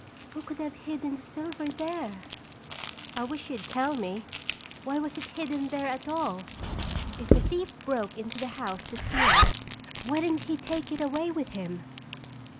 Who could have hidden the silver there?" "I wish you'd tell me. Why was it hidden there at all? If the thief broke into the house to steal it why didn't he take it away with him?"